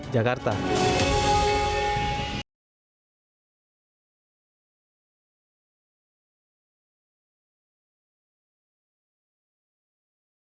berita terkini mengenai cuaca ekstrem di indonesia